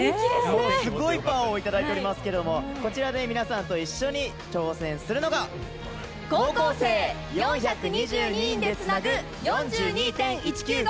もうすごいパワーを頂いておりますけれども、こちらで皆さんと一緒に挑戦するのが、高校生４２２人でつなぐ４２．１９５